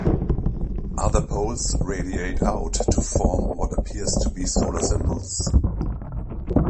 Other poles radiate out to form what appears to be solar symbols.